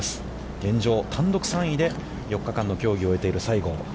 現状、単独３位で４日間の競技を終えている西郷。